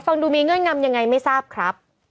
ฟังดูมีเงื่อนงำยังไงไม่ทราบครับ